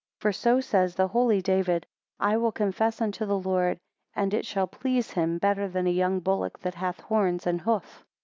8 For so says the Holy David, I will confess unto the Lord, and it shall please him better than a young bullock that hath horns and hoof.